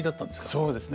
そうですね